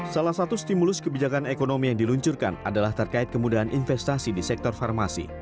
salah satu stimulus kebijakan ekonomi yang diluncurkan adalah terkait kemudahan investasi di sektor farmasi